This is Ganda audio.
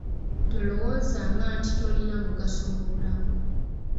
Tolowoozanga nti tolina mugaso mu bulamu.